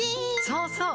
そうそう！